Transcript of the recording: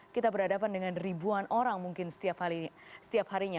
kita berhadapan dengan ribuan orang mungkin setiap harinya